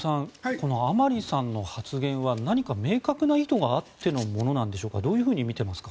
この甘利さんの発言は何か明確な意図があってのものなんでしょうかどういうふうに見ていますか？